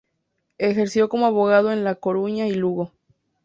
Ejerció como abogado en La Coruña y Lugo.